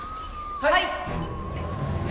はい。